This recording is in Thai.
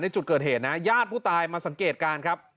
จุดเกิดเหตุนะญาติผู้ตายมาสังเกตการณ์ครับ